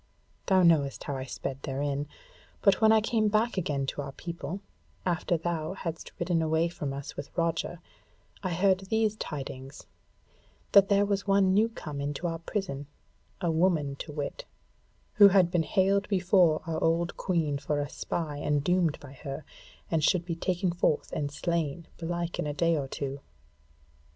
Thou knowest how I sped therein. But when I came back again to our people, after thou hadst ridden away from us with Roger, I heard these tidings, that there was one new come into our prison, a woman to wit, who had been haled before our old Queen for a spy and doomed by her, and should be taken forth and slain, belike, in a day or two.